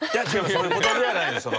そういうことではないです。